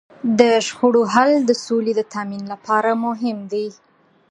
د شخړو حل د سولې د تامین لپاره مهم دی.